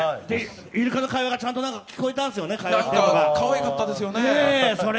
イルカの会話がちゃんと聞こえたんですよね。